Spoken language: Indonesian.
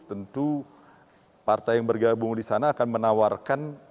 tentu partai yang bergabung di sana akan menawarkan